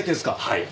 はい。